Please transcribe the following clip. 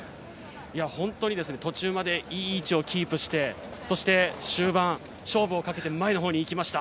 本当に途中までいい位置をキープしてそして、終盤、勝負をかけて前のほうに行きました。